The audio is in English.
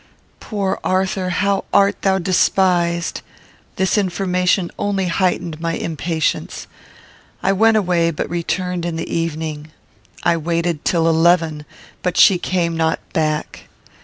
Poor Arthur, how art thou despised! This information only heightened my impatience. I went away, but returned in the evening. I waited till eleven, but she came not back.